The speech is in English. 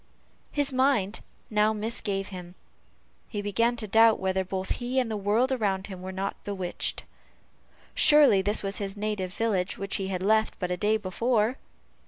His mind now misgave him; he began to doubt whether both he and the world around him were not bewitched. Surely this was his native village, which he had left but a day before.